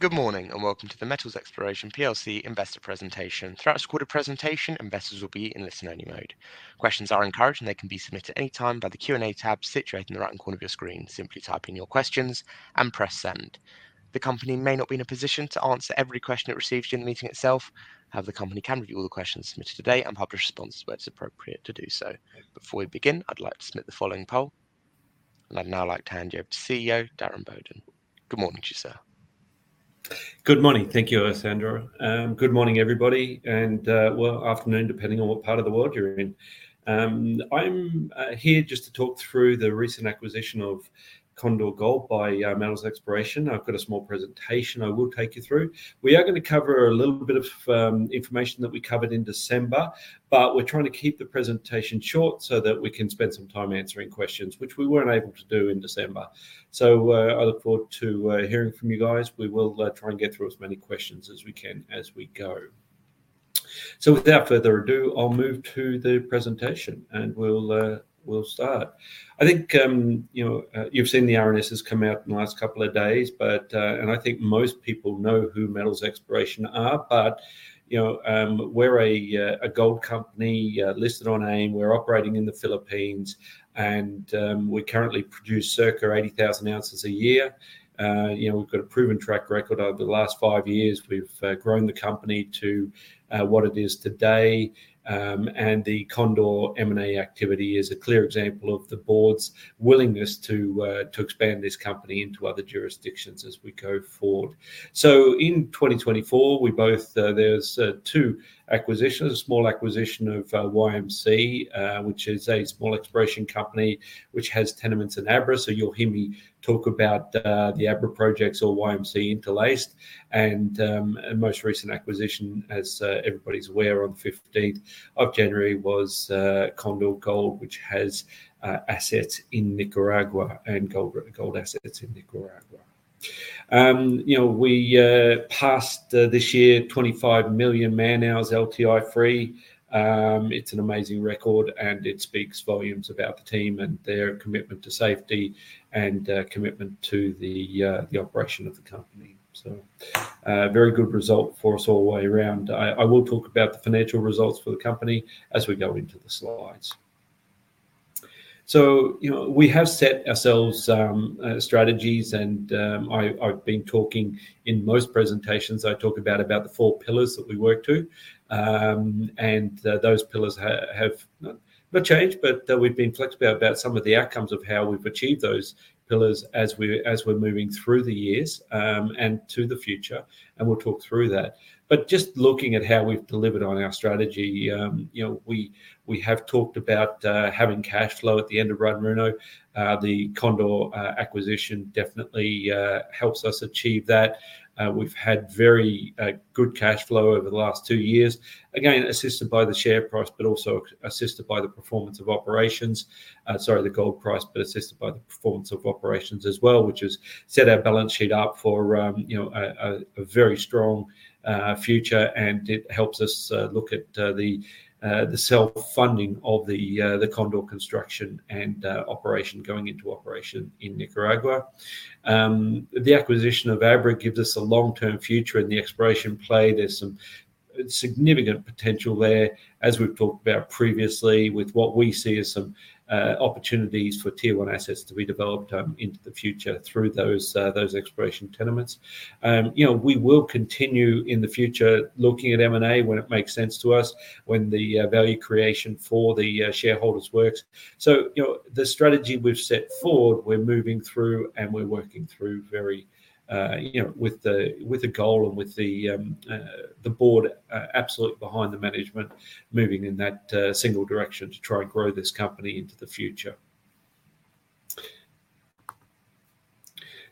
Good morning, and welcome to the Metals Exploration Plc Investor Presentation. Throughout this recorded presentation, investors will be in listen-only mode. Questions are encouraged, and they can be submitted at any time via the Q&A tab situated in the right-hand corner of your screen. Simply type in your questions and press send. The company may not be in a position to answer every question it receives during the meeting itself. However, the company can review all the questions submitted today and publish responses where it's appropriate to do so. Before we begin, I'd like to submit the following poll. I'd now like to hand you over to CEO Darren Bowden. Good morning to you, sir. Good morning. Thank you, Alessandro. Good morning, everybody, and well, afternoon, depending on what part of the world you're in. I'm here just to talk through the recent acquisition of Condor Gold by Metals Exploration. I've got a small presentation I will take you through. We are going to cover a little bit of information that we covered in December, but we're trying to keep the presentation short so that we can spend some time answering questions, which we weren't able to do in December. I look forward to hearing from you guys. We will try and get through as many questions as we can as we go. Without further ado, I'll move to the presentation, and we'll start. I think you've seen the RNSs come out in the last couple of days, and I think most people know who Metals Exploration are. We're a gold company listed on AIM. We're operating in the Philippines and we currently produce circa 80,000oz a year. We've got a proven track record over the last five years. We've grown the company to what it is today. The Condor M&A activity is a clear example of the board's willingness to expand this company into other jurisdictions as we go forward. In 2024, there's two acquisitions. A small acquisition of YMC, which is a small exploration company which has tenements in Abra. You'll hear me talk about the Abra projects or YMC interlaced, and most recent acquisition, as everybody's aware, on the 15 January was Condor Gold, which has assets in Nicaragua and gold assets in Nicaragua. We passed, this year, 25 million man-hours LTI free. It's an amazing record, and it speaks volumes about the team and their commitment to safety and commitment to the operation of the company. A very good result for us all way around. I will talk about the financial results for the company as we go into the slides. We have set ourselves strategies, and I've been talking, in most presentations, I talk about the four pillars that we work to. Those pillars have not changed, but we've been flexible about some of the outcomes of how we've achieved those pillars as we're moving through the years, and to the future, and we'll talk through that. Just looking at how we've delivered on our strategy. We have talked about having cash flow at the end of Runruno. The Condor acquisition definitely helps us achieve that. We've had very good cash flow over the last two years. Assisted by the share price, but also assisted by the performance of operations. Sorry, the gold price, but assisted by the performance of operations as well, which has set our balance sheet up for a very strong future and it helps us look at the self-funding of the Condor construction and operation going into operation in Nicaragua. The acquisition of Abra gives us a long-term future in the exploration play. There's some significant potential there, as we've talked about previously, with what we see as some opportunities for Tier 1 assets to be developed into the future through those exploration tenements. We will continue, in the future, looking at M&A when it makes sense to us, when the value creation for the shareholders works. The strategy we've set forward, we're moving through and we're working through with the goal and with the board absolute behind the management, moving in that single direction to try and grow this company into the future.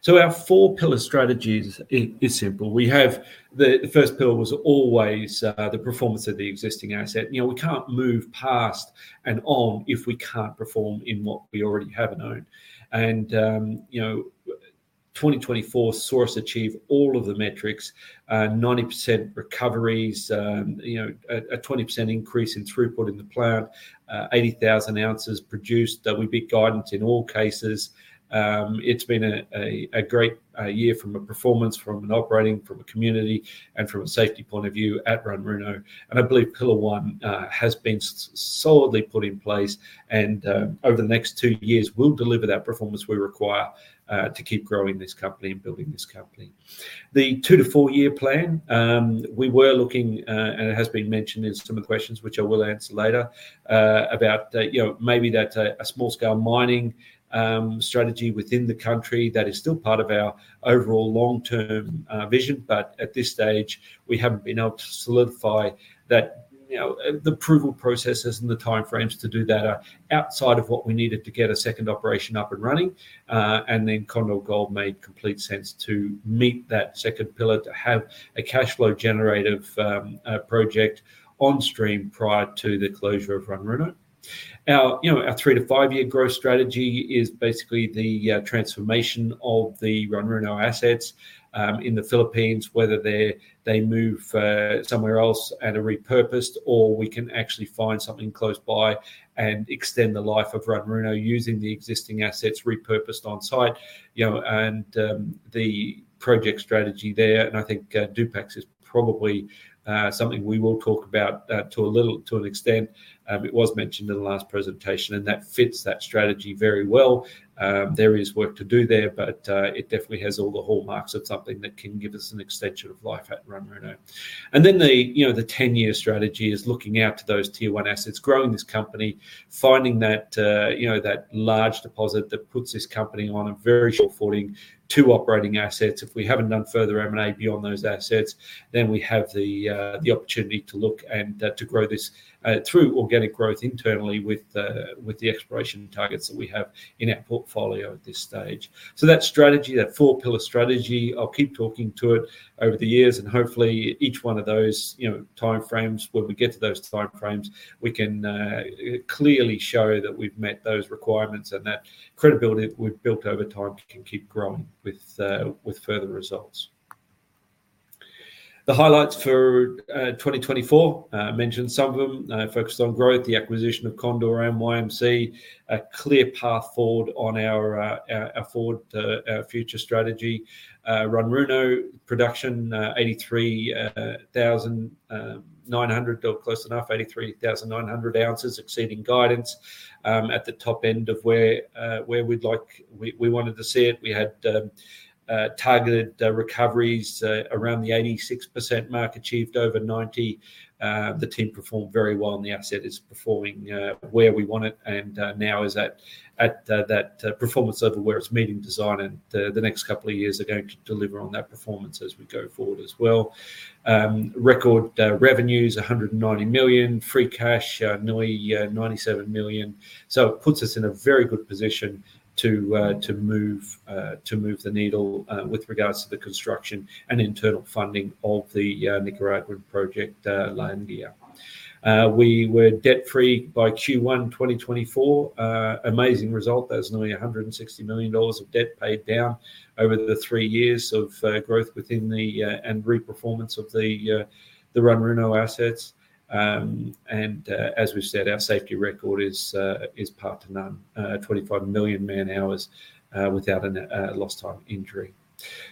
Our four-pillar strategy is simple. The first pillar was always the performance of the existing asset. We can't move past and on if we can't perform in what we already have and own. 2024 saw us achieve all of the metrics, 90% recoveries, a 20% increase in throughput in the plant, 80,000oz produced. That would be guidance in all cases. It's been a great year from a performance, from an operating, from a community, and from a safety point of view at Runruno. I believe pillar one has been solidly put in place, and over the next two years, we'll deliver that performance we require to keep growing this company and building this company. The two to four year plan, we were looking, and it has been mentioned in some of the questions which I will answer later, about maybe that a small-scale mining strategy within the country, that is still part of our overall long-term vision. But at this stage, we haven't been able to solidify that. The approval processes and the time frames to do that are outside of what we needed to get a second operation up and running. Then Condor Gold made complete sense to meet that second pillar, to have a cash flow generative project onstream prior to the closure of Runruno. Now, our three to five-year growth strategy is basically the transformation of the Runruno assets in the Philippines, whether they move somewhere else and are repurposed, or we can actually find something close by and extend the life of Runruno using the existing assets repurposed on-site. The project strategy there, and I think Dupax is probably something we will talk about to an extent. It was mentioned in the last presentation, and that fits that strategy very well. There is work to do there, but it definitely has all the hallmarks of something that can give us an extension of life at Runruno. Then the 10-year strategy is looking out to those tier one assets, growing this company, finding that large deposit that puts this company on a very sure footing, two operating assets. If we haven't done further M&A beyond those assets, then we have the opportunity to look and to grow this through organic growth internally with the exploration targets that we have in our portfolio at this stage. That strategy, that four-pillar strategy, I'll keep talking to it over the years, and hopefully each one of those time frames, when we get to those time frames, we can clearly show that we've met those requirements and that credibility that we've built over time can keep growing with further results. The highlights for 2024, I mentioned some of them, focused on growth, the acquisition of Condor and YMC, a clear path forward on our forward future strategy. Runruno production, 83,900oz, or close enough, 83,900oz, exceeding guidance at the top end of where we wanted to see it. We had targeted recoveries around the 86% mark, achieved over 90%. The team performed very well, and the asset is performing where we want it and now is at that performance level where it's meeting design, and the next couple of years are going to deliver on that performance as we go forward as well. Record revenues, $190 million. Free cash, nearly $97 million. It puts us in a very good position to move the needle with regards to the construction and internal funding of the Nicaraguan project, La India. We were debt-free by Q1 2024. Amazing result. That is nearly $160 million of debt paid down over the three years of growth and reperformance of the Runruno assets. We've said, our safety record is second to none. 25 million man-hours without a lost time injury.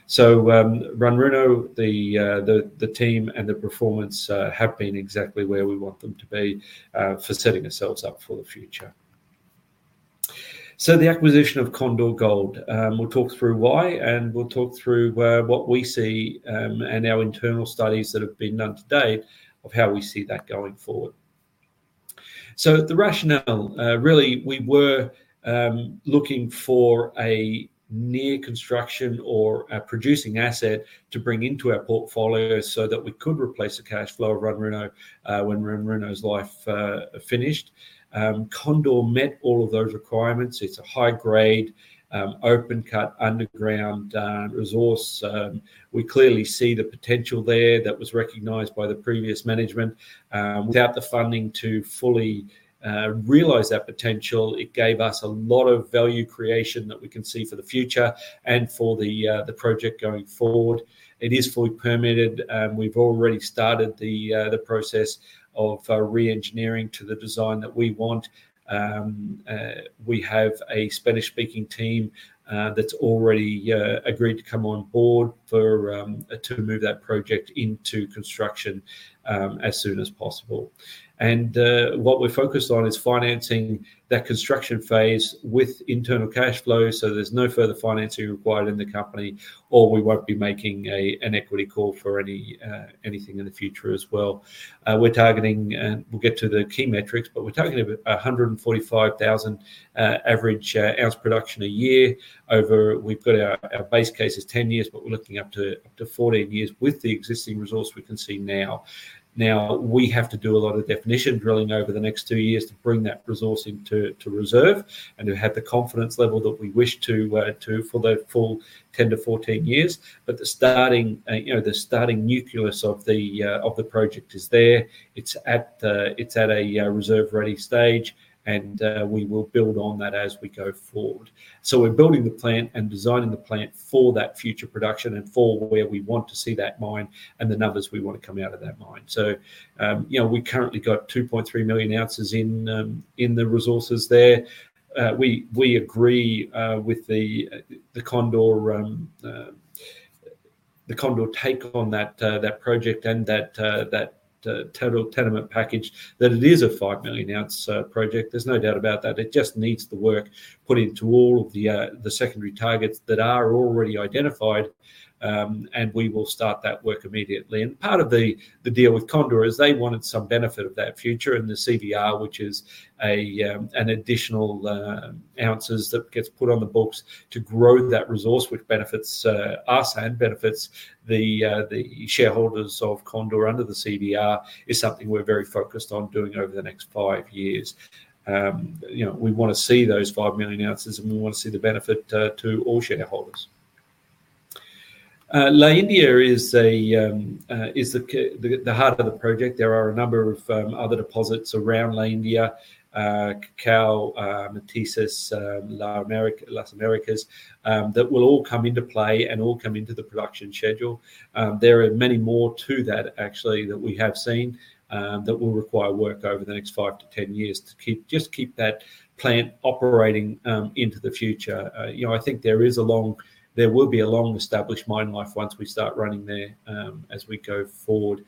Runruno, the team, and the performance have been exactly where we want them to be for setting ourselves up for the future. The acquisition of Condor Gold. We'll talk through why, and we'll talk through what we see and our internal studies that have been done to date of how we see that going forward. The rationale, really, we were looking for a near construction or a producing asset to bring into our portfolio so that we could replace the cash flow of Runruno when Runruno's life finished. Condor met all of those requirements. It's a high-grade, open cut, underground resource. We clearly see the potential there that was recognized by the previous management. Without the funding to fully realize that potential, it gave us a lot of value creation that we can see for the future and for the project going forward. It is fully permitted. We've already started the process of re-engineering to the design that we want. We have a Spanish-speaking team that's already agreed to come on board to move that project into construction as soon as possible. What we're focused on is financing that construction phase with internal cash flow so there's no further financing required in the company, or we won't be making an equity call for anything in the future as well. We'll get to the key metrics, but we're targeting 145,000 average ounce production a year over. We've got our base case is 10 years, but we're looking up to 14 years with the existing resource we can see now. Now, we have to do a lot of definition drilling over the next two years to bring that resource into reserve and to have the confidence level that we wish to for the full 10-14 years. The starting nucleus of the project is there. It's at a reserve-ready stage, and we will build on that as we go forward. We're building the plant and designing the plant for that future production and for where we want to see that mine and the numbers we want to come out of that mine. We currently got 2.3 million ounces in the resources there. We agree with the Condor take on that project and that total tenement package, that it is a 5-million-ounce project. There's no doubt about that. It just needs the work put into all of the secondary targets that are already identified, and we will start that work immediately. Part of the deal with Condor is they wanted some benefit of that future in the CVR, which is an additionaloz that gets put on the books to grow that resource, which benefits us and benefits the shareholders of Condor under the CVR, is something we're very focused on doing over the next fivyears. We want to see those 5 million ounces, and we want to see the benefit to all shareholders. La India is the heart of the project. There are a number of other deposits around La India, Cacao, Mestiza, Las Americas, that will all come into play and all come into the production schedule. There are many more to that actually that we have seen, that will require work over the next five to 10 years to just keep that plant operating into the future. I think there will be a long-established mine life once we start running there, as we go forward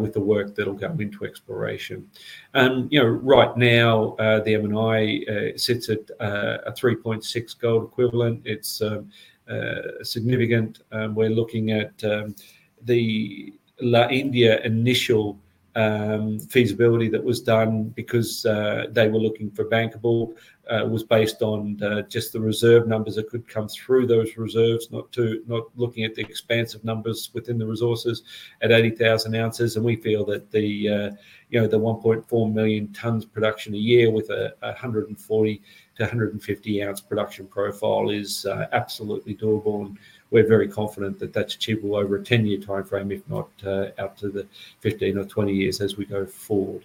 with the work that'll go into exploration. Right now, the M&I sits at a 3.6 gold equivalent. It's significant. We're looking at the La India initial feasibility that was done because they were looking for bankable. It was based on just the reserve numbers that could come through those reserves, not looking at the expansive numbers within the resources at 80,000oz. We feel that the 1.4 million tonnes production a year with a 140-150oz production profile is absolutely doable, and we're very confident that that's achievable over a 10-year time frame, if not out to the 15 or 20 years as we go forward.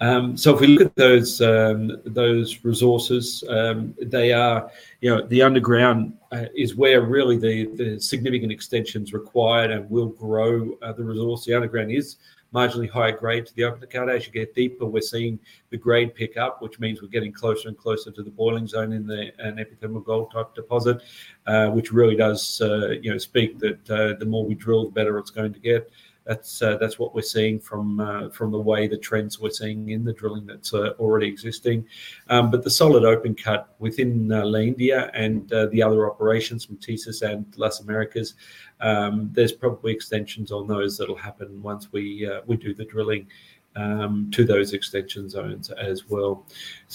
If we look at those resources, the underground is where really the significant extension's required and we'll grow the resource. The underground is marginally higher grade to the open pit. As you get deeper, we're seeing the grade pick up, which means we're getting closer and closer to the boiling zone in an epithermal gold-type deposit. Which really does speak that the more we drill, the better it's going to get. That's what we're seeing from the way the trends we're seeing in the drilling that's already existing. The solid open pit within La India and the other operations from Mestiza and Las Americas, there's probably extensions on those that'll happen once we do the drilling to those extension zones as well.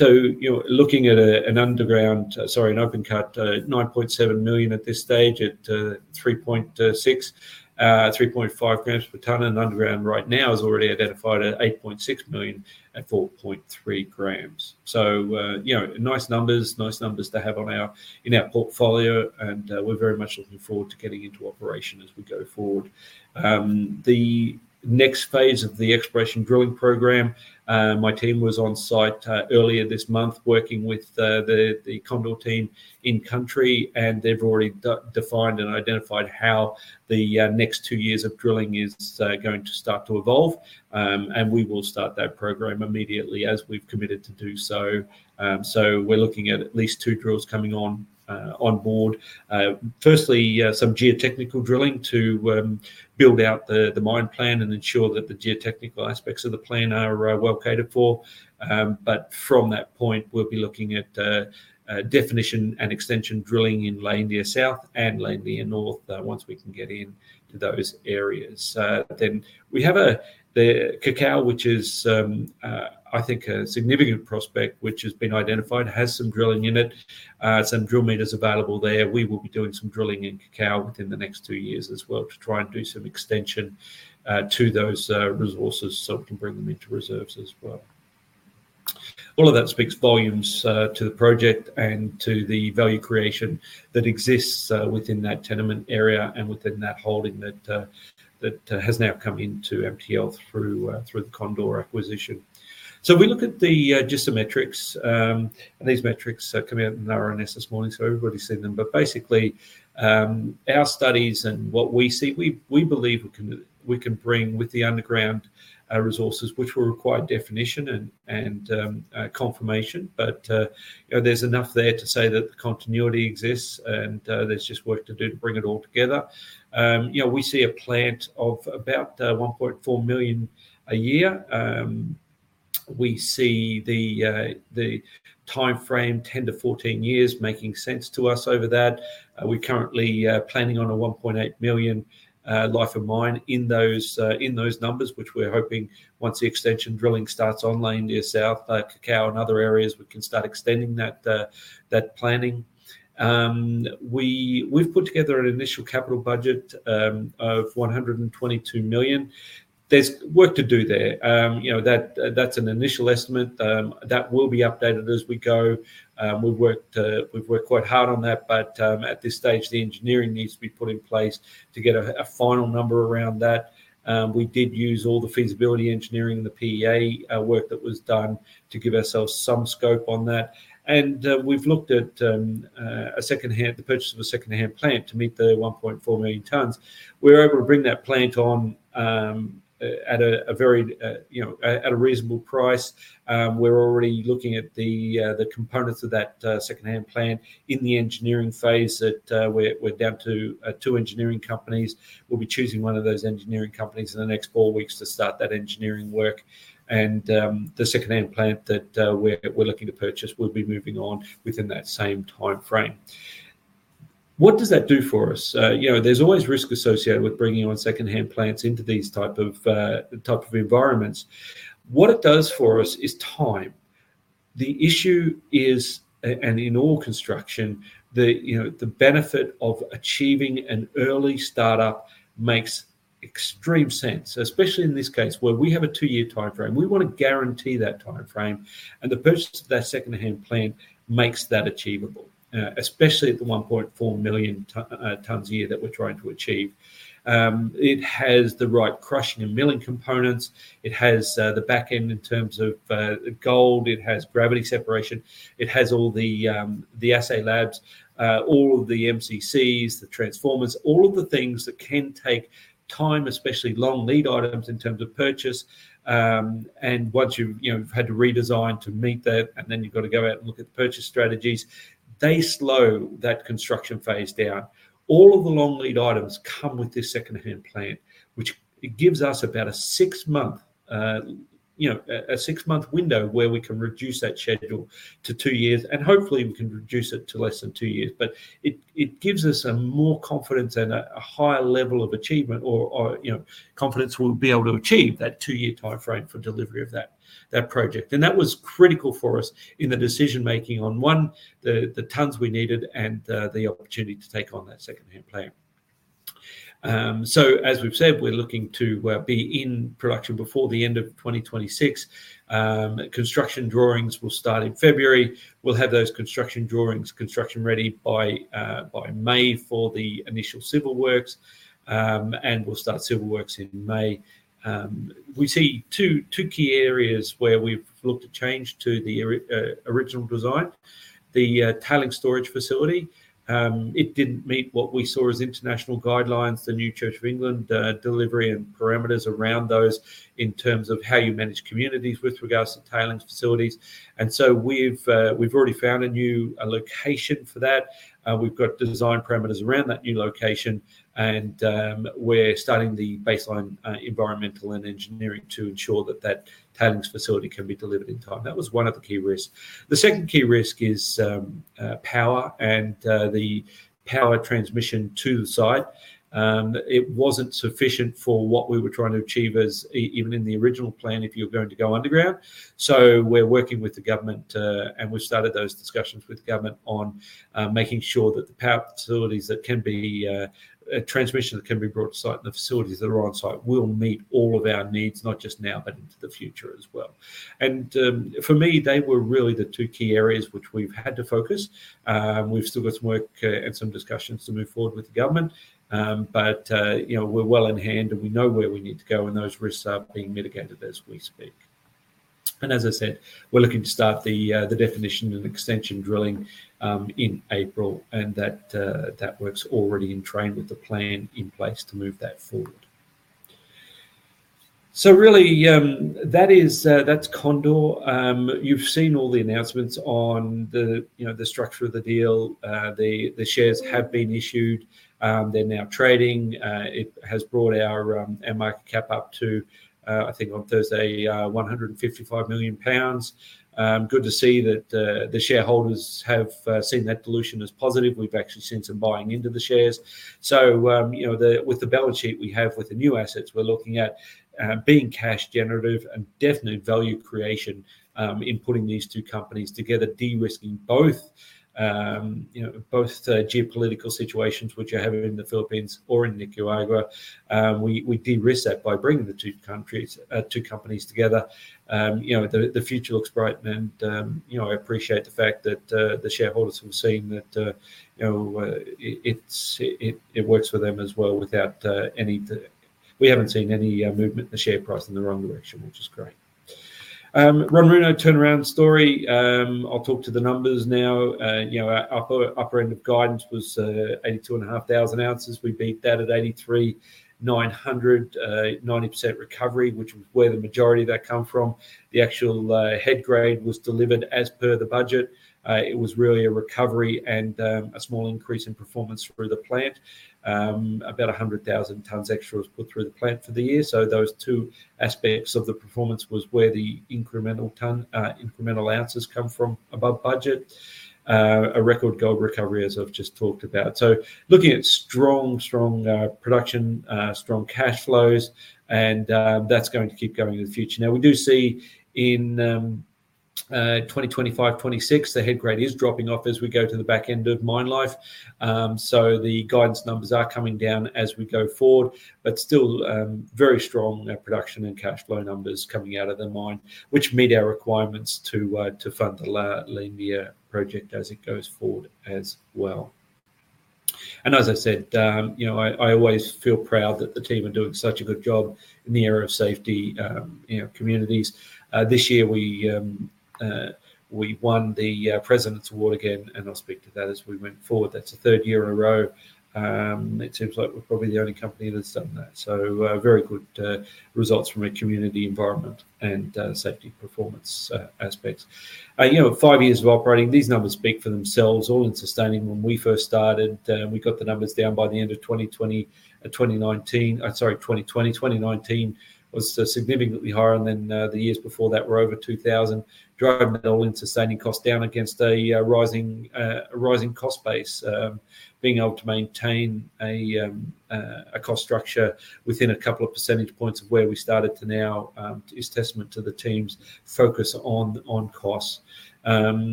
Looking at an underground, sorry, an open pit, 9.7 million at this stage at 3.6., 3.5g per tonne in underground right now is already identified at 8.6 million at 4.3g. Nice numbers to have in our portfolio. We're very much looking forward to getting into operation as we go forward. The next phase of the exploration drilling program, my team was on site earlier this month working with the Condor team in country, and they've already defined and identified how the next two years of drilling is going to start to evolve. We will start that program immediately as we've committed to do so. We're looking at least two drills coming on board. Firstly, some geotechnical drilling to build out the mine plan and ensure that the geotechnical aspects of the plan are well catered for. From that point, we'll be looking at definition and extension drilling in La India South and La India North, once we can get into those areas. We have Cacao, which is, I think, a significant prospect, which has been identified, has some drilling in it, some drill meters available there. We will be doing some drilling in Cacao within the next two years as well to try and do some extension to those resources so we can bring them into reserves as well. All of that speaks volumes to the project and to the value creation that exists within that tenement area and within that holding that has now come into MTL through the Condor acquisition. We look at just the metrics. These metrics come out in the RNS this morning, so everybody's seen them. Basically, our studies and what we see, we believe we can bring with the underground resources, which will require definition and confirmation. There's enough there to say that the continuity exists, and there's just work to do to bring it all together. We see a plant of about 1.4 million a year. We see the time frame, 10-14 years, making sense to us over that. We're currently planning on a 1.8 million life of mine in those numbers, which we're hoping once the extension drilling starts on La India South, Cacao, and other areas, we can start extending that planning. We've put together an initial capital budget of $122 million. There's work to do there. That's an initial estimate. That will be updated as we go. We've worked quite hard on that. At this stage, the engineering needs to be put in place to get a final number around that. We did use all the feasibility engineering, the PEA work that was done to give ourselves some scope on that. We've looked at the purchase of a secondhand plant to meet the 1.4 million tonnes. We're able to bring that plant on at a reasonable price. We're already looking at the components of that secondhand plant in the engineering phase that we're down to two engineering companies. We'll be choosing one of those engineering companies in the next four weeks to start that engineering work. The secondhand plant that we're looking to purchase will be moving on within that same time frame. What does that do for us? There's always risk associated with bringing on secondhand plants into these type of environments. What it does for us is time. The issue is, in all construction, the benefit of achieving an early startup makes extreme sense, especially in this case where we have a two-year timeframe. We want to guarantee that timeframe and the purchase of that second-hand plant makes that achievable, especially at the 1.4 million tonnes a year that we're trying to achieve. It has the right crushing and milling components. It has the back end in terms of gold. It has gravity separation. It has all the assay labs, all of the MCCs, the transformers, all of the things that can take time, especially long lead items in terms of purchase. Once you've had to redesign to meet that, and then you've got to go out and look at the purchase strategies. They slow that construction phase down. All of the long lead items come with this second-hand plant, which it gives us about a 6-month window where we can reduce that schedule to two years, and hopefully we can reduce it to less than two years. It gives us more confidence and a higher level of achievement or confidence we'll be able to achieve that two-year timeframe for delivery of that project. That was critical for us in the decision-making on, one, the tonnes we needed and the opportunity to take on that second-hand plant. As we've said, we're looking to be in production before the end of 2026. Construction drawings will start in February. We'll have those construction drawings, construction-ready by May for the initial civil works. We'll start civil works in May. We see two key areas where we've looked at change to the original design. The tailings storage facility. It didn't meet what we saw as international guidelines, the new Church of England standard and parameters around those in terms of how you manage communities with regards to tailings facilities. We've already found a new location for that. We've got the design parameters around that new location, and we're starting the baseline environmental and engineering to ensure that the tailings facility can be delivered in time. That was one of the key risks. The second key risk is power and the power transmission to the site. It wasn't sufficient for what we were trying to achieve, even in the original plan, if you're going to go underground. We're working with the government, and we've started those discussions with the government on making sure that the power facilities, the transmission that can be brought to site, and the facilities that are on-site will meet all of our needs, not just now, but into the future as well. For me, they were really the two key areas which we've had to focus. We've still got some work and some discussions to move forward with the government. We're well in hand, and we know where we need to go, and those risks are being mitigated as we speak. As I said, we're looking to start the definition and extension drilling in April, and that work's already in train with the plan in place to move that forward. Really, that's Condor. You've seen all the announcements on the structure of the deal. The shares have been issued. They're now trading. It has brought our market cap up to, I think on Thursday, 155 million pounds. Good to see that the shareholders have seen that dilution as positive. We've actually seen some buying into the shares. With the balance sheet we have with the new assets, we're looking at being cash generative and definite value creation in putting these two companies together, de-risking both geopolitical situations which are happening in the Philippines or in Nicaragua. We de-risk that by bringing the two companies together. The future looks bright and I appreciate the fact that the shareholders have seen that it works for them as well. We haven't seen any movement in the share price in the wrong direction, which is great. Runruno turnaround story. I'll talk to the numbers now. Our upper end of guidance was 82,500oz. We beat that at 83,900, 90% recovery, which was where the majority of that come from. The actual head grade was delivered as per the budget. It was really a recovery and a small increase in performance through the plant. About 100,000 tonnes extra was put through the plant for the year. Those two aspects of the performance was where the incrementaloz come from, above budget. A record gold recovery, as I've just talked about. Looking at strong production, strong cash flows, and that's going to keep going in the future. Now, we do see in 2025/26, the head grade is dropping off as we go to the back end of mine life. The guidance numbers are coming down as we go forward, but still very strong production and cash flow numbers coming out of the mine, which meet our requirements to fund the La India project as it goes forward as well. As I said, I always feel proud that the team are doing such a good job in the area of safety, communities. This year, we won the President's Award again, and I'll speak to that as we went forward. That's the third year in a row. It seems like we're probably the only company that's done that. Very good results from a community environment and safety performance aspects. Five years of operating, these numbers speak for themselves, all-in sustaining. When we first started, we got the numbers down by the end of 2020. 2019 was significantly higher, and then the years before that were over 2,000. Driving the all-in sustaining cost down against a rising cost base. Being able to maintain a cost structure within a couple of percentage points of where we started to now is testament to the team's focus on costs.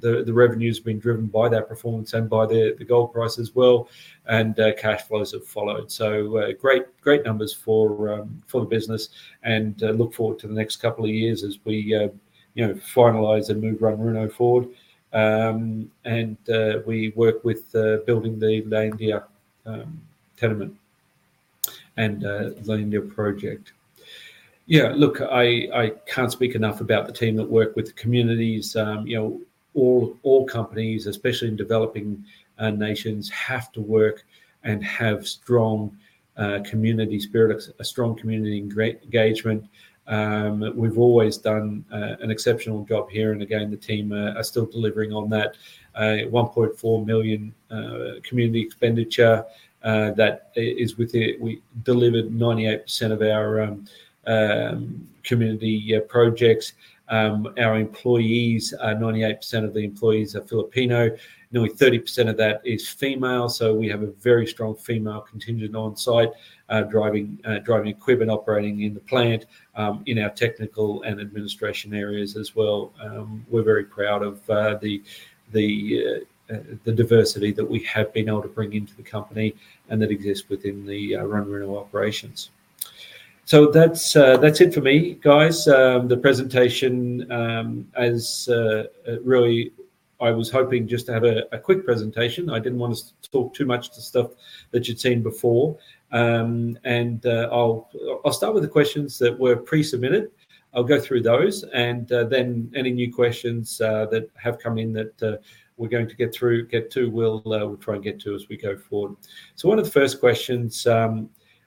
The revenue has been driven by that performance and by the gold price as well, and cash flows have followed. Great numbers for the business, and look forward to the next couple of years as we finalize and move Runruno forward. We work with building the La India tenement and La India project. Yeah, look, I can't speak enough about the team that work with the communities. All companies, especially in developing nations, have to work and have strong community spirit, a strong community engagement. We've always done an exceptional job here. Again, the team are still delivering on that. $1.4 million community expenditure. We delivered 98% of our community projects. Our employees, 98% of the employees are Filipino. Nearly 30% of that is female. We have a very strong female contingent on-site, driving equipment, operating in the plant, in our technical and administration areas as well. We're very proud of the diversity that we have been able to bring into the company and that exists within the Runruno operations. That's it for me, guys. The presentation, I was hoping just to have a quick presentation. I didn't want to talk too much to stuff that you'd seen before. I'll start with the questions that were pre-submitted. I'll go through those, and then any new questions that have come in that we're going to get to, we'll try and get to as we go forward. One of the first questions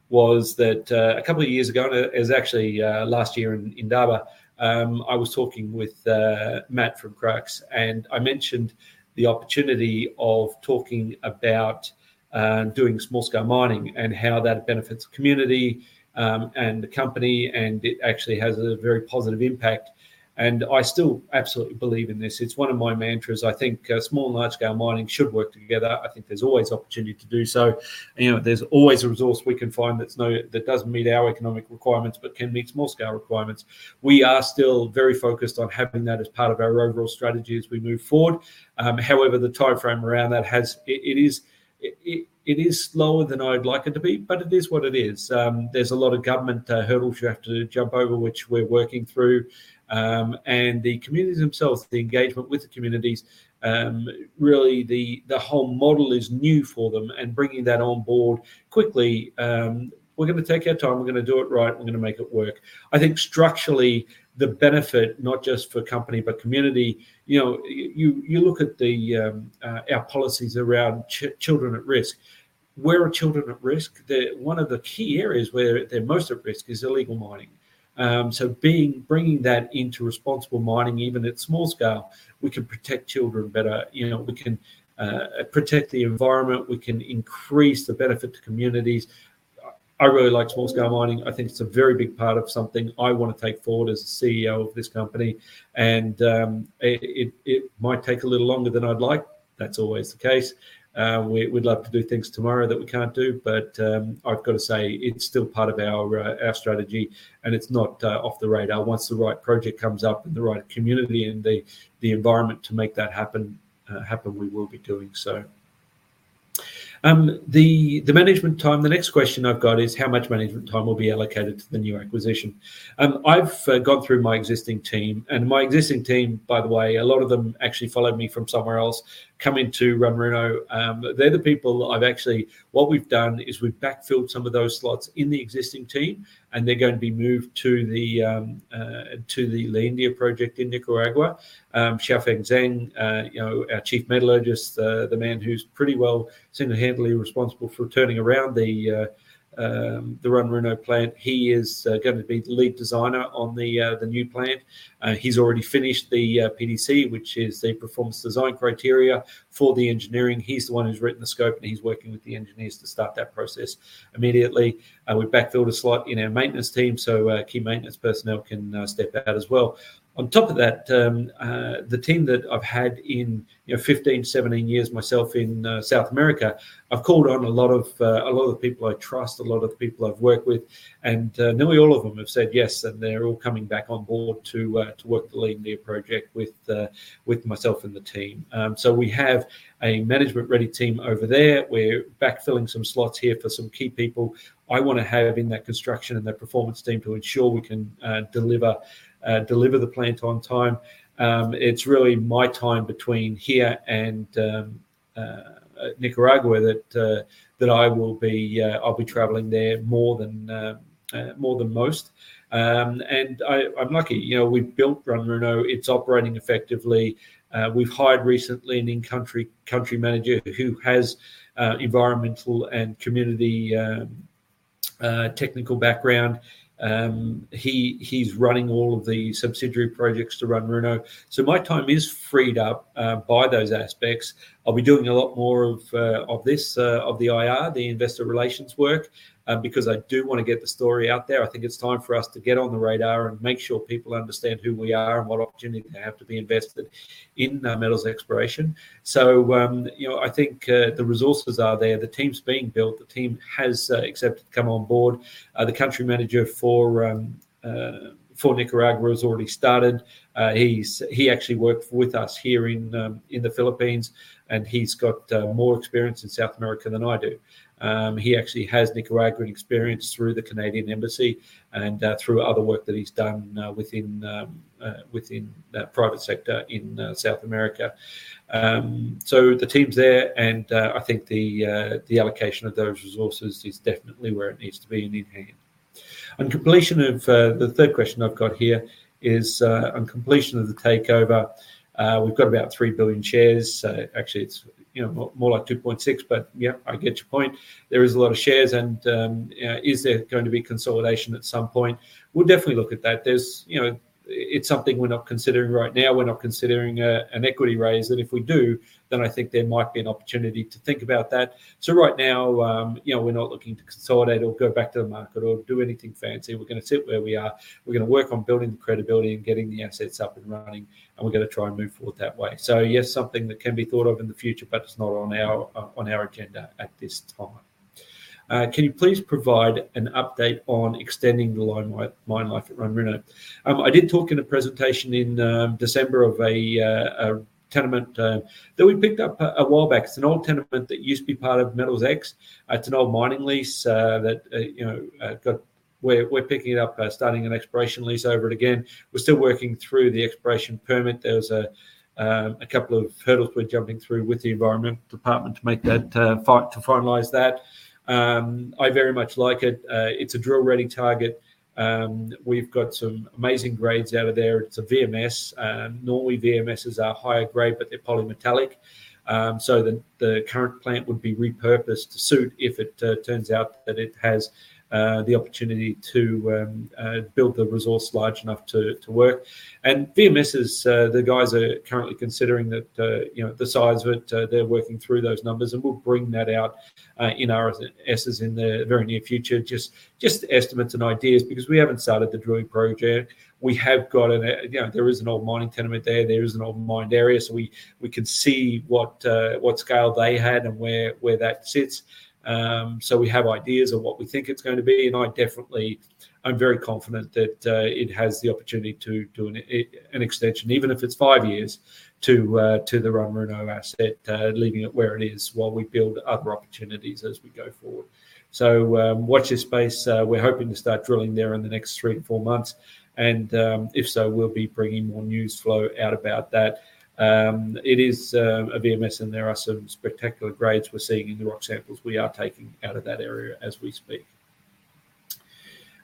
was that a couple of years ago, it was actually last year in Davao. I was talking with Matt from Crux, and I mentioned the opportunity of talking about doing small-scale mining and how that benefits the community, and the company, and it actually has a very positive impact. I still absolutely believe in this. It's one of my mantras. I think small and large-scale mining should work together. I think there's always opportunity to do so. There's always a resource we can find that doesn't meet our economic requirements but can meet small-scale requirements. We are still very focused on having that as part of our overall strategy as we move forward. However, the timeframe around that, it is slower than I'd like it to be, but it is what it is. There's a lot of government hurdles you have to jump over, which we're working through. The communities themselves, the engagement with the communities, really the whole model is new for them and bringing that on board quickly. We're going to take our time. We're going to do it right. We're going to make it work. I think structurally, the benefit, not just for company, but community. You look at our policies around children at risk. Where are children at risk? One of the key areas where they're most at risk is illegal mining. Bringing that into responsible mining, even at small scale, we can protect children better. We can protect the environment. We can increase the benefit to communities. I really like small-scale mining. I think it's a very big part of something I want to take forward as the CEO of this company. It might take a little longer than I'd like. That's always the case. We'd love to do things tomorrow that we can't do. I've got to say, it's still part of our strategy, and it's not off the radar. Once the right project comes up in the right community and the environment to make that happen, we will be doing so. The next question I've got is, "How much management time will be allocated to the new acquisition?" I've gone through my existing team. My existing team, by the way, a lot of them actually followed me from somewhere else, coming to Runruno. What we've done is we've backfilled some of those slots in the existing team, and they're going to be moved to the La India project in Nicaragua. Xiaofeng Zheng, our Chief Metallurgist, the man who's pretty well single-handedly responsible for turning around the Runruno plant. He is going to be the lead designer on the new plant. He's already finished the PDC, which is the performance design criteria for the engineering. He's the one who's written the scope, and he's working with the engineers to start that process immediately. We've backfilled a slot in our maintenance team, so key maintenance personnel can step out as well. On top of that, the team that I've had in 15, 17 years myself in South America, I've called on a lot of the people I trust, a lot of the people I've worked with. Nearly all of them have said yes, and they're all coming back on board to work the La India project with myself and the team. We have a management-ready team over there. We're backfilling some slots here for some key people I want to have in that construction and that performance team to ensure we can deliver the plant on time. It's really my time between here and Nicaragua that I'll be traveling there more than most. I'm lucky. We've built Runruno. It's operating effectively. We've hired recently an in-country manager who has environmental and community technical background. He's running all of the subsidiary projects to Runruno. My time is freed up by those aspects. I'll be doing a lot more of this, of the IR, the investor relations work, because I do want to get the story out there. I think it's time for us to get on the radar and make sure people understand who we are and what opportunity they have to be invested in Metals Exploration. I think the resources are there. The team's being built. The team has accepted to come on board. The country manager for Nicaragua has already started. He actually worked with us here in the Philippines, and he's got more experience in South America than I do. He actually has Nicaraguan experience through the Canadian Embassy and through other work that he's done within the private sector in South America. The team's there, and I think the allocation of those resources is definitely where it needs to be and in hand. On completion of the third question I've got here is, on completion of the takeover, we've got about 3 billion shares. Actually, it's more like 2.6, but yeah, I get your point. There is a lot of shares and is there going to be consolidation at some point? We'll definitely look at that. It's something we're not considering right now. We're not considering an equity raise, that if we do, then I think there might be an opportunity to think about that. Right now, we're not looking to consolidate or go back to the market or do anything fancy. We're going to sit where we are. We're going to work on building the credibility and getting the assets up and running, and we're going to try and move forward that way. Yes, something that can be thought of in the future, but it's not on our agenda at this time. Can you please provide an update on extending the mine life at Runruno? I did talk in a presentation in December of a tenement that we picked up a while back. It's an old tenement that used to be part of Metals X. It's an old mining lease that we're picking it up, starting an exploration lease over it again. We're still working through the exploration permit. There's a couple of hurdles we're jumping through with the Environment Department to finalize that. I very much like it. It's a drill-ready target. We've got some amazing grades out of there. It's a VMS. Normally, VMSs are higher grade, but they're polymetallic. The current plant would be repurposed to suit if it turns out that it has the opportunity to build the resource large enough to work. VMSs, the guys are currently considering the size of it. They're working through those numbers, and we'll bring that out in our RNSs in the very near future. Just estimates and ideas, because we haven't started the drilling program yet. There is an old mining tenement there. There is an old mined area. We could see what scale they had and where that sits. We have ideas of what we think it's going to be, and I definitely am very confident that it has the opportunity to do an extension. Even if it's five years to the Runruno asset, leaving it where it is while we build other opportunities as we go forward. Watch this space. We're hoping to start drilling there in the next three to four months. If so, we'll be bringing more news flow out about that. It is a VMS, and there are some spectacular grades we're seeing in the rock samples we are taking out of that area as we speak.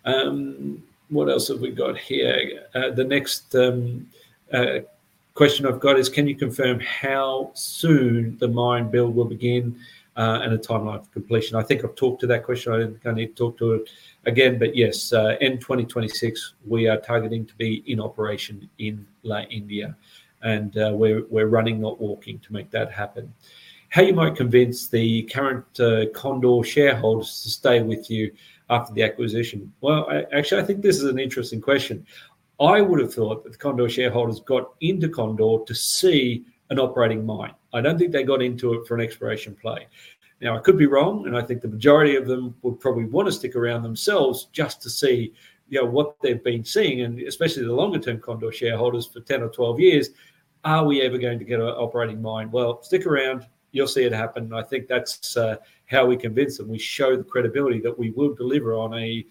What else have we got here? The next question I've got is, "Can you confirm how soon the mine build will begin and a timeline for completion?" I think I've talked to that question. I don't know if I need to talk to it again. Yes, in 2026, we are targeting to be in operation in La India. We're running, not walking to make that happen. "How you might convince the current Condor shareholders to stay with you after the acquisition." Well, actually, I think this is an interesting question. I would have thought that the Condor shareholders got into Condor to see an operating mine. I don't think they got into it for an exploration play. Now, I could be wrong, and I think the majority of them would probably want to stick around themselves just to see what they've been seeing, and especially the longer-term Condor shareholders for 10 or 12 years. Are we ever going to get an operating mine? Well, stick around. You'll see it happen. I think that's how we convince them. We show the credibility that we will deliver on an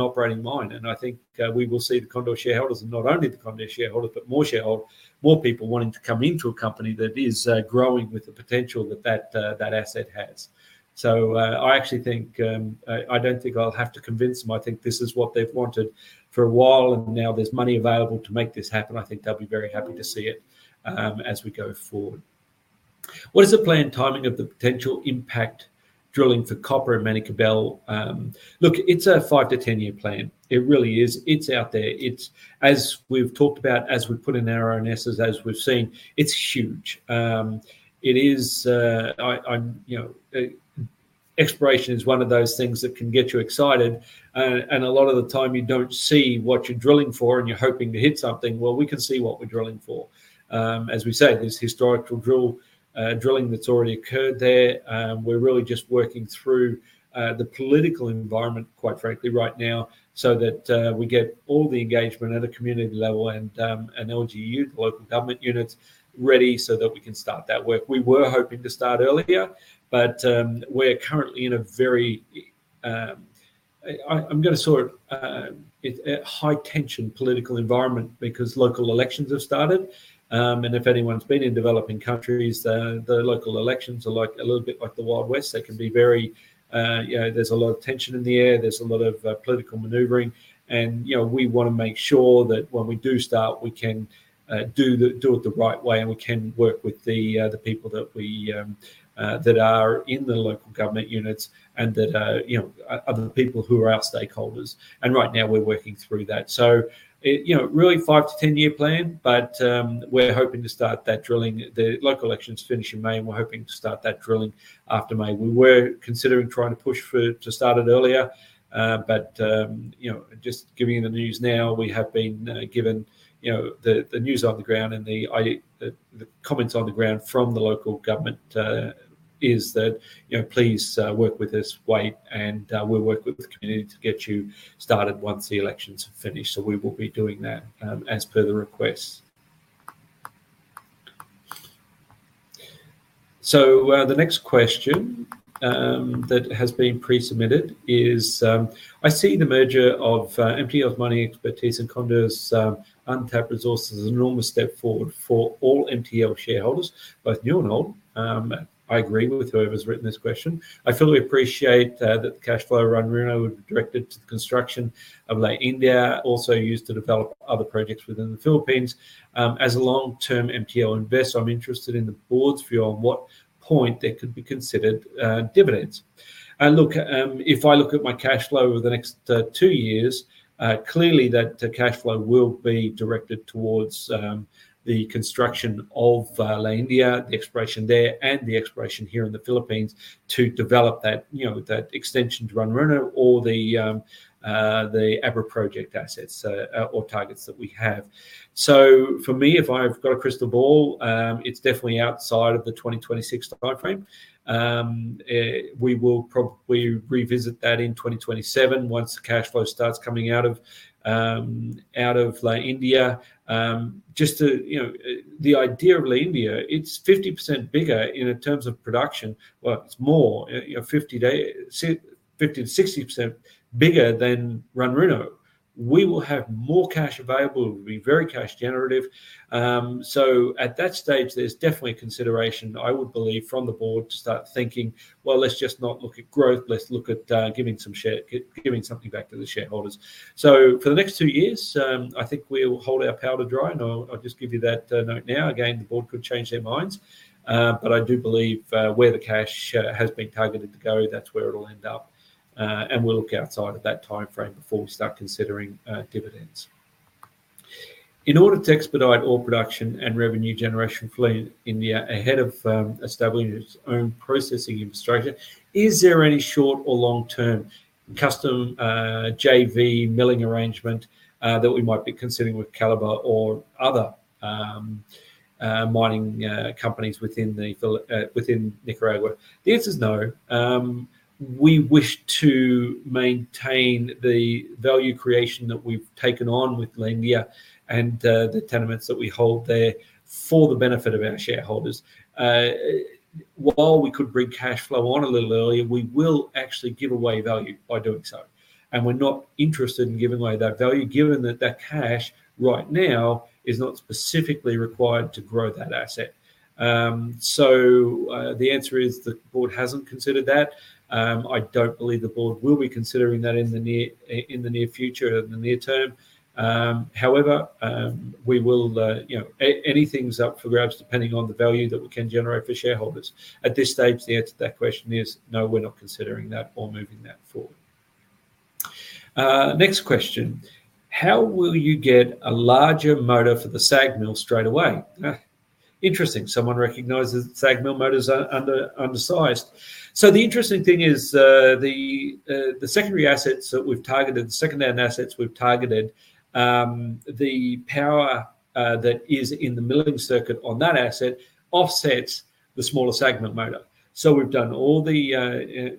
operating mine. I think we will see the Condor shareholders, and not only the Condor shareholders, but more people wanting to come into a company that is growing with the potential that that asset has. I don't think I'll have to convince them. I think this is what they've wanted for a while, and now there's money available to make this happen. I think they'll be very happy to see it as we go forward. What is the planned timing of the potential impact drilling for copper in Manikbel? Look, it's a five to 10-year plan. It really is. It's out there. As we've talked about, as we've put in our own S-curves, as we've seen, it's huge. Exploration is one of those things that can get you excited, and a lot of the time you don't see what you're drilling for and you're hoping to hit something. Well, we can see what we're drilling for. As we said, there's historical drilling that's already occurred there. We're really just working through the political environment, quite frankly, right now, so that we get all the engagement at a community level and LGU, local government units, ready so that we can start that work. We were hoping to start earlier, but we're currently in a very, I'm going to say, high-tension political environment because local elections have started. If anyone's been in developing countries, their local elections are a little bit like the Wild West. There's a lot of tension in the air. There's a lot of political maneuvering, and we want to make sure that when we do start, we can do it the right way and we can work with the people that are in the local government units and other people who are our stakeholders. Right now, we're working through that. Really five to 10-year plan, but we're hoping to start that drilling. The local elections finish in May, and we're hoping to start that drilling after May. We were considering trying to push to start it earlier. Just giving you the news now, we have been given the news on the ground, and the comments on the ground from the local government is that, "Please work with us. Wait, and we'll work with the community to get you started once the elections have finished." We will be doing that as per the request. The next question that has been pre-submitted is, "I see the merger of MTL's mining expertise and Condor's untapped resources as an enormous step forward for all MTL shareholders, both new and old." I agree with whoever's written this question. "I fully appreciate that the cash flow at Runruno would be directed to the construction of La India, also used to develop other projects within the Philippines. As a long-term MTL investor, I'm interested in the board's view on what point there could be considered dividends." If I look at my cash flow over the next two years, clearly that cash flow will be directed towards the construction of La India, the exploration there, and the exploration here in the Philippines to develop that extension to Runruno or the Abra project assets or targets that we have. For me, if I've got a crystal ball, it's definitely outside of the 2026 time frame. We will probably revisit that in 2027 once the cash flow starts coming out of La India. Just the idea of La India, it's 50% bigger in terms of production. Well, it's more, 50% to 60% bigger than Runruno. We will have more cash available. It will be very cash generative. At that stage, there's definitely consideration, I would believe, from the board to start thinking, "Well, let's just not look at growth. Let's look at giving something back to the shareholders." For the next two years, I think we'll hold our powder dry. I'll just give you that note now. Again, the board could change their minds. I do believe, where the cash has been targeted to go, that's where it'll end up. We'll look outside of that time frame before we start considering dividends. "In order to expedite ore production and revenue generation for La India ahead of establishing its own processing infrastructure, is there any short or long-term custom JV milling arrangement that we might be considering with Calibre or other mining companies within Nicaragua?" The answer's no. We wish to maintain the value creation that we've taken on with La India and the tenements that we hold there for the benefit of our shareholders. While we could bring cash flow on a little earlier, we will actually give away value by doing so. We're not interested in giving away that value, given that that cash, right now, is not specifically required to grow that asset. The answer is the board hasn't considered that. I don't believe the board will be considering that in the near future or the near term. However, anything's up for grabs depending on the value that we can generate for shareholders. At this stage, the answer to that question is no, we're not considering that or moving that forward. Next question: "How will you get a larger motor for the SAG mill straight away?" Interesting. Someone recognizes that the SAG mill motor's undersized. The interesting thing is, the secondary assets that we've targeted, the power that is in the milling circuit on that asset offsets the smaller SAG mill motor. Xiaofeng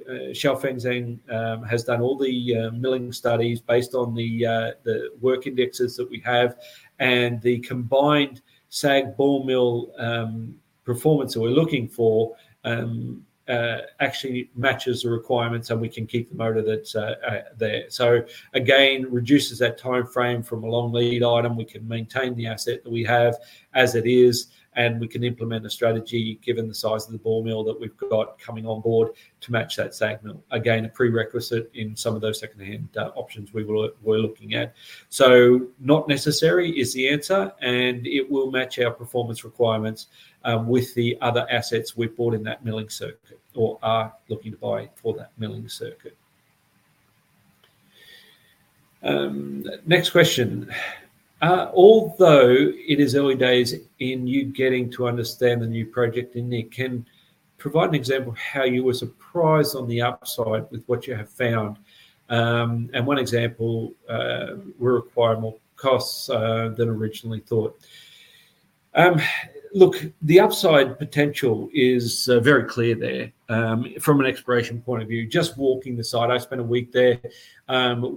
Zheng has done all the milling studies based on the work indexes that we have, and the combined SAG ball mill performance that we're looking for actually matches the requirements, and we can keep the motor that's there. Again, reduces that time frame from a long lead item. We can maintain the asset that we have as it is, and we can implement a strategy given the size of the ball mill that we've got coming on board to match that SAG mill. Again, a prerequisite in some of those second-hand options we're looking at. Not necessary is the answer, and it will match our performance requirements with the other assets we've bought in that milling circuit or are looking to buy for that milling circuit. Next question: "Although it is early days in you getting to understand the new project in Nic, can provide an example of how you were surprised on the upside with what you have found? And one example where required more costs than originally thought." Look, the upside potential is very clear there from an exploration point of view. Just walking the site, I spent a week there.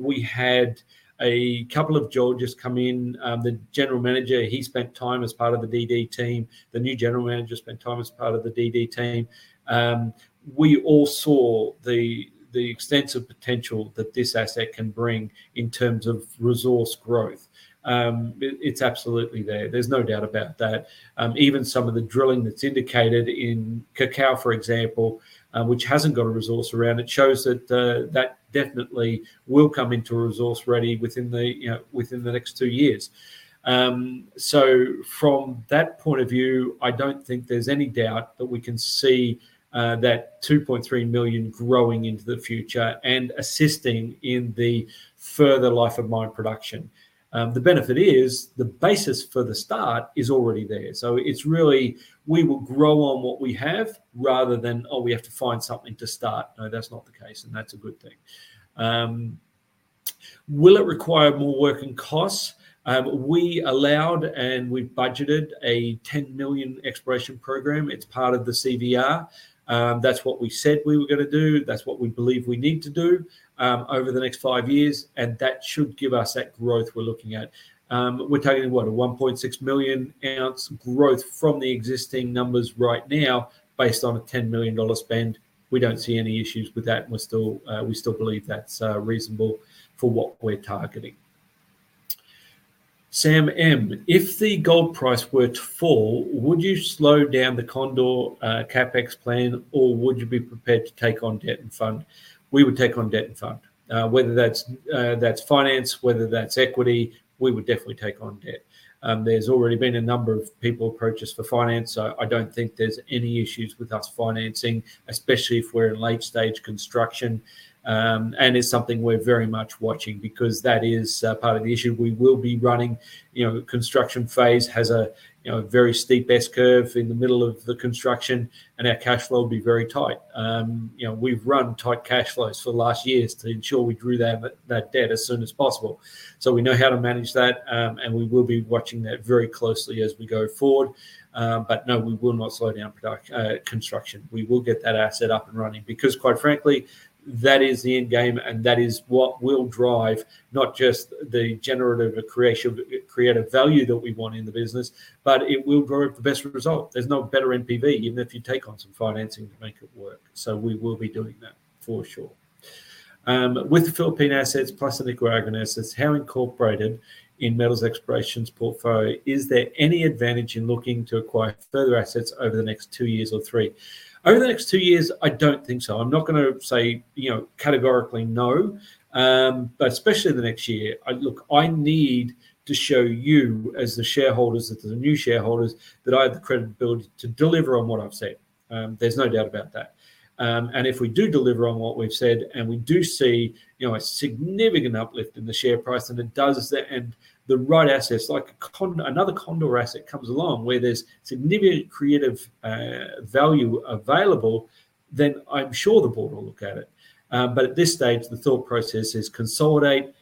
We had a couple of geologists come in. The general manager, he spent time as part of the DD team. The new general manager spent time as part of the DD team. We all saw the extensive potential that this asset can bring in terms of resource growth. It's absolutely there. There's no doubt about that. Even some of the drilling that's indicated in Cacao, for example, which hasn't got a resource around it, shows that definitely will come into a resource ready within the next two years. From that point of view, I don't think there's any doubt that we can see that 2.3 million growing into the future and assisting in the further life of mine production. The benefit is the basis for the start is already there. It's really, we will grow on what we have rather than, oh, we have to find something to start. No, that's not the case, and that's a good thing. Will it require more working costs? We allowed and we budgeted a $10 million exploration program. It's part of the CVR. That's what we said we were going to do. That's what we believe we need to do over the next five years. That should give us that growth we're looking at. We're talking, what, a 1.6 million ounce growth from the existing numbers right now based on a $10 million spend. We don't see any issues with that, and we still believe that's reasonable for what we're targeting. Sam M. "If the gold price were to fall, would you slow down the Condor CapEx plan, or would you be prepared to take on debt and fund?" We would take on debt and fund. Whether that's finance, whether that's equity, we would definitely take on debt. There's already been a number of people approach us for finance. I don't think there's any issues with us financing, especially if we're in late-stage construction. It's something we're very much watching because that is part of the issue. We will be running, construction phase has a very steep S-curve in the middle of the construction, and our cash flow will be very tight. We've run tight cash flows for the last years to ensure we drew that debt as soon as possible. We know how to manage that, and we will be watching that very closely as we go forward. No, we will not slow down production, construction. We will get that asset up and running because quite frankly, that is the end game and that is what will drive not just the generative creative value that we want in the business, but it will grow the best result. There's no better NPV, even if you take on some financing to make it work. We will be doing that for sure. With the Philippine assets plus the Nicaraguan assets, how incorporated in Metals Exploration's portfolio, is there any advantage in looking to acquire further assets over the next two years or three?" Over the next two years, I don't think so. I'm not going to say categorically no. Especially in the next year, look, I need to show you as the shareholders, the new shareholders, that I have the credibility to deliver on what I've said. There's no doubt about that. If we do deliver on what we've said, and we do see a significant uplift in the share price and it does, and the right assets, like another Condor asset comes along where there's significant create value available, then I'm sure the board will look at it. At this stage, the thought process is consolidate,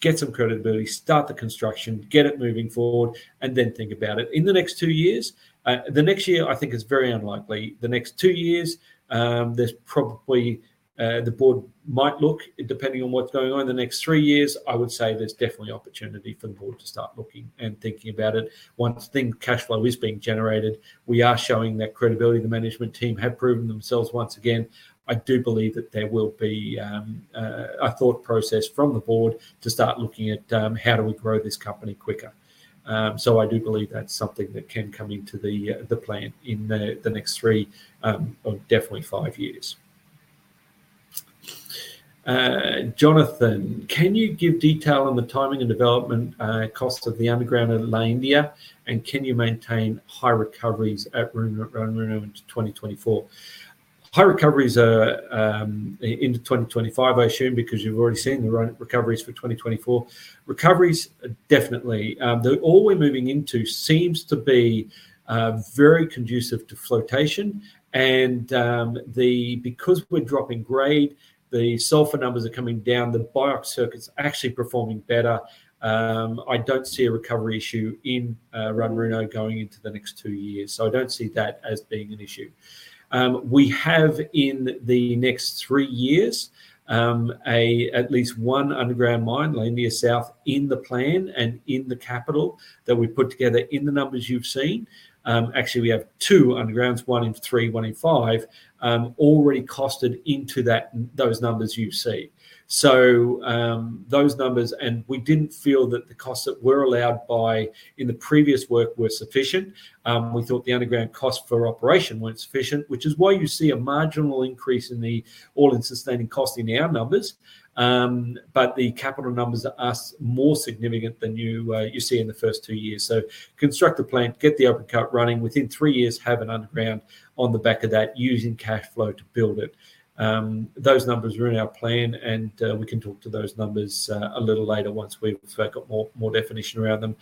get some credibility, start the construction, get it moving forward, and then think about it in the next two years. The next year I think is very unlikely. The next two years, there's probably the board might look, depending on what's going on. The next three years, I would say there's definitely opportunity for the board to start looking and thinking about it. Once cash flow is being generated, we are showing that credibility. The management team have proven themselves once again. I do believe that there will be a thought process from the board to start looking at how do we grow this company quicker. I do believe that's something that can come into the plan in the next three, or definitely five years. Jonathan: "Can you give detail on the timing and development costs of the underground at La India? And can you maintain high recoveries at Runruno into 2024?" High recoveries are into 2025, I assume, because you've already seen the recoveries for 2024. Recoveries, definitely. All we're moving into seems to be very conducive to flotation. Because we're dropping grade, the sulfur numbers are coming down. The BIOX circuit's actually performing better. I don't see a recovery issue in Runruno going into the next two years. I don't see that as being an issue. We have, in the next three years, at least one underground mine, La India South, in the plan and in the capital that we put together in the numbers you've seen. Actually, we have two undergrounds, one in three, one in five, already costed into those numbers you see. Those numbers, we didn't feel that the costs that were allowed in the previous work were sufficient. We thought the underground costs for operation weren't sufficient, which is why you see a marginal increase in the all-in sustaining cost in our numbers. The capital numbers are more significant than you see in the first two years. Construct the plant, get the open cut running. Within three years, have an underground on the back of that using cash flow to build it. Those numbers are in our plan, and we can talk to those numbers a little later once we've got more definition around them.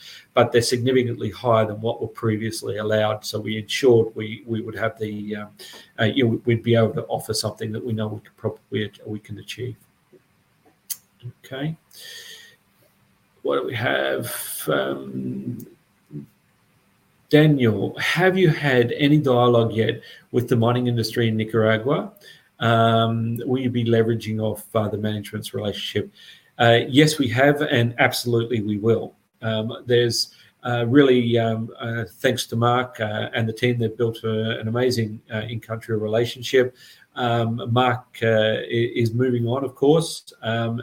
They're significantly higher than what were previously allowed. We ensured we'd be able to offer something that we know we can achieve. Okay. What do we have? Daniel: "Have you had any dialogue yet with the mining industry in Nicaragua? Will you be leveraging off the management's relationship?" Yes, we have, and absolutely we will. Thanks to Mark and the team, they've built an amazing in-country relationship. Mark is moving on, of course,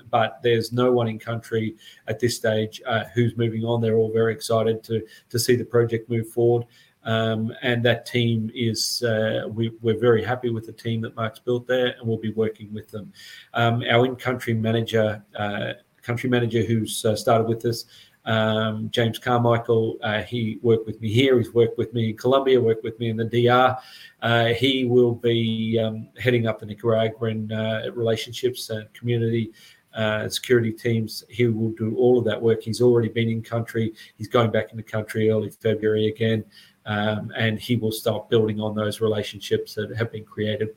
but there's no one in-country at this stage who's moving on. They're all very excited to see the project move forward. We're very happy with the team that Mark's built there, and we'll be working with them. Our in-country manager, who's started with us, James Carmichael, he worked with me here, he's worked with me in Colombia, worked with me in the DR. He will be heading up the Nicaraguan relationships, community, security teams. He will do all of that work. He's already been in-country. He's going back into country early February again. He will start building on those relationships that have been created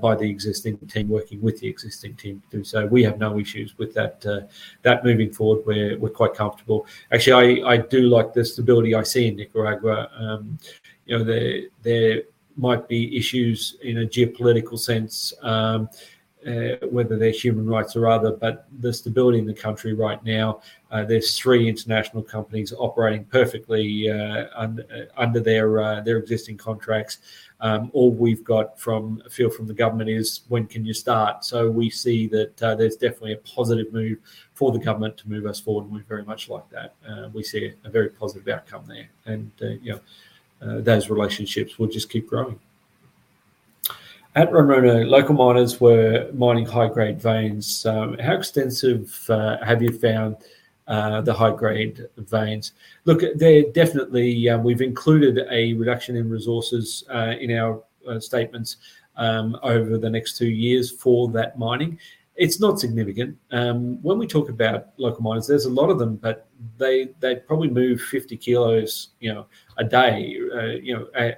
by the existing team, working with the existing team to do so. We have no issues with that moving forward. We're quite comfortable. Actually, I do like the stability I see in Nicaragua. There might be issues in a geopolitical sense, whether they're human rights or other. The stability in the country right now, there's three international companies operating perfectly under their existing contracts. All we've got from a feel from the government is, "When can you start?" We see that there's definitely a positive move for the government to move us forward, and we very much like that. We see a very positive outcome there. Those relationships will just keep growing. "At Runruno, local miners were mining high-grade veins. How extensive have you found the high-grade veins?" Look, we've included a reduction in resources in our statements over the next two years for that mining. It's not significant. When we talk about local miners, there's a lot of them, but they probably move 50kg a day.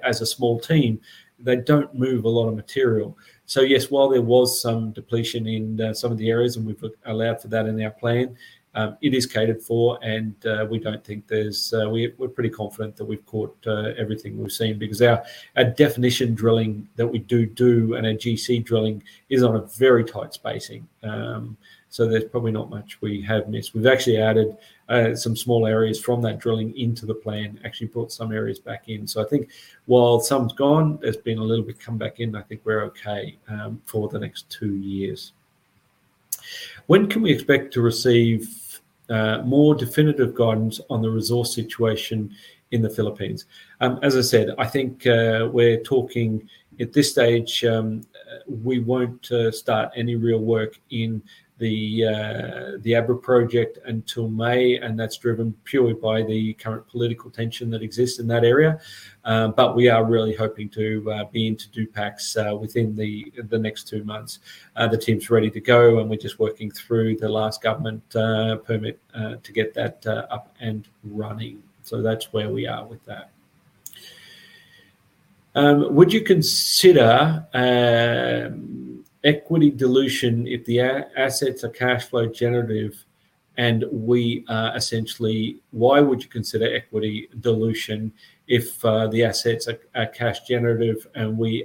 As a small team, they don't move a lot of material. Yes, while there was some depletion in some of the areas, and we've allowed for that in our plan, it is catered for. We're pretty confident that we've caught everything we've seen. Because our definition drilling that we do, and our GC drilling, is on a very tight spacing. There's probably not much we have missed. We've actually added some small areas from that drilling into the plan, actually brought some areas back in. I think while some's gone, there's been a little bit come back in. I think we're okay for the next two years. When can we expect to receive more definitive guidance on the resource situation in the Philippines?" As I said, I think we're talking at this stage, we won't start any real work in the Abra project until May, and that's driven purely by the current political tension that exists in that area. We are really hoping to be into Dupax within the next two months. The team's ready to go, and we're just working through the last government permit to get that up and running. That's where we are with that. "Why would you consider equity dilution if the assets are cash generative and we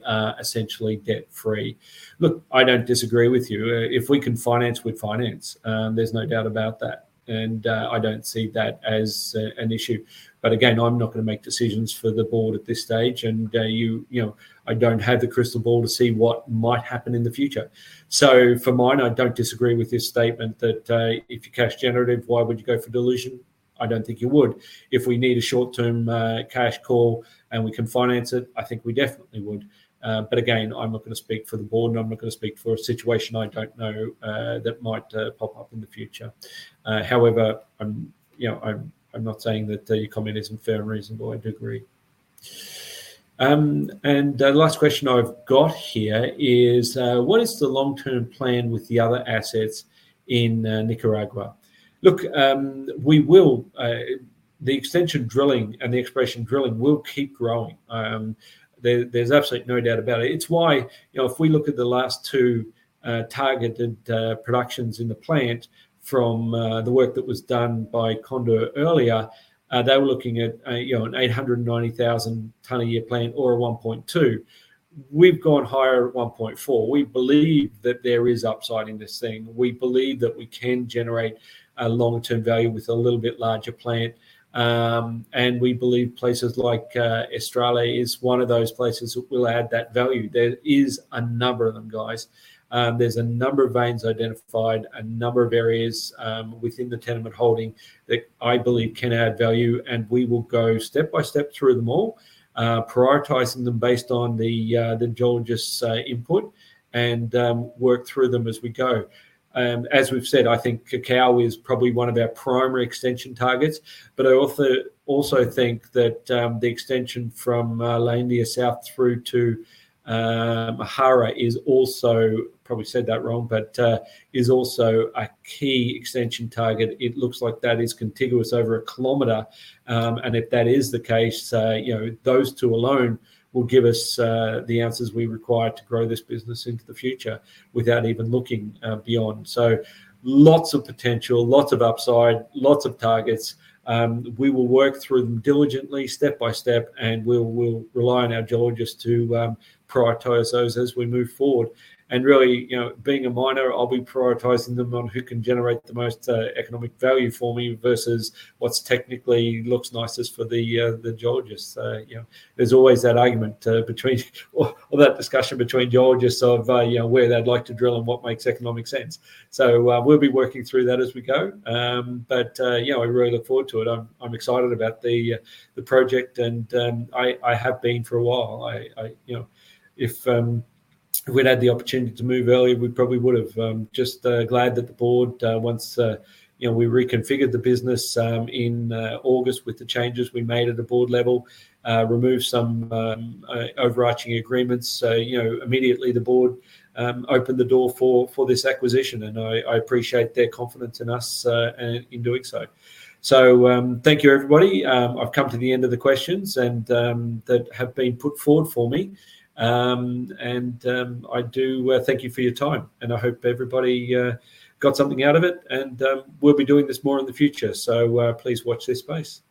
are essentially debt-free?" Look, I don't disagree with you. If we can finance, we'd finance. There's no doubt about that. And I don't see that as an issue. But again, I'm not going to make decisions for the board at this stage. I don't have the crystal ball to see what might happen in the future. For mine, I don't disagree with your statement that if you're cash generative, why would you go for dilution? I don't think you would. If we need a short-term cash call and we can finance it, I think we definitely would. Again, I'm not going to speak for the board, and I'm not going to speak for a situation I don't know that might pop up in the future. However, I'm not saying that your comment isn't fair and reasonable. I do agree. The last question I've got here is: "What is the long-term plan with the other assets in Nicaragua?" Look, the extension drilling and the exploration drilling will keep growing. There's absolutely no doubt about it. It's why, if we look at the last two targeted productions in the plant from the work that was done by Condor earlier, they were looking at an 890,000-tonne a year plant or a 1.2. We've gone higher at 1.4. We believe that there is upside in this thing. We believe that we can generate a long-term value with a little bit larger plant. We believe places like Estrella is one of those places we'll add that value. There is a number of them, guys. There's a number of veins identified, a number of areas within the tenement holding that I believe can add value. We will go step by step through them all, prioritizing them based on the geologist's input, and work through them as we go. As we've said, I think Cacao is probably one of our primary extension targets. I also think that the extension from La India South through to Mojarra is also, probably said that wrong, but is also a key extension target. It looks like that is contiguous over a kilometer. If that is the case, those two alone will give us the answers we require to grow this business into the future without even looking beyond. Lots of potential, lots of upside, lots of targets. We will work through them diligently step by step, and we will rely on our geologists to prioritize those as we move forward. Really, being a miner, I'll be prioritizing them on who can generate the most economic value for me versus what technically looks nicest for the geologists. There's always that argument or that discussion between geologists of where they'd like to drill and what makes economic sense. We'll be working through that as we go. I really look forward to it. I'm excited about the project, and I have been for a while. If we'd had the opportunity to move earlier, we probably would have. I'm just glad that the board, once we reconfigured the business in August with the changes we made at the board level, removed some overarching agreements. Immediately the board opened the door for this acquisition, and I appreciate their confidence in us in doing so. Thank you everybody. I've come to the end of the questions that have been put forward for me. I do thank you for your time, and I hope everybody got something out of it. We'll be doing this more in the future, so please watch this space.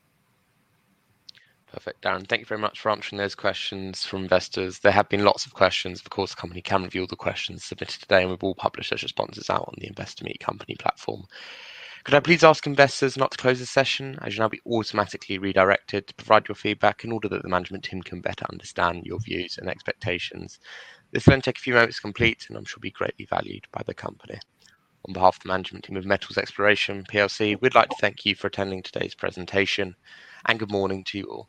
Perfect. Darren, thank you very much for answering those questions from investors. There have been lots of questions. Of course, the company can review the questions submitted today, and we will publish those responses out on the Investor Meet Company platform. Could I please ask investors not to close the session, as you'll now be automatically redirected to provide your feedback in order that the management team can better understand your views and expectations. This will only take a few moments to complete and I'm sure will be greatly valued by the company. On behalf of the management team of Metals Exploration Plc, we'd like to thank you for attending today's presentation, and good morning to you all.